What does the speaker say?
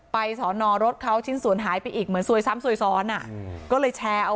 สอนอรถเขาชิ้นส่วนหายไปอีกเหมือนซวยซ้ำซวยซ้อนอ่ะก็เลยแชร์เอา